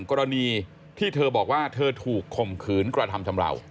กรณีที่เธอบอกว่าเธอถูกข่มขืนกระทำชำราว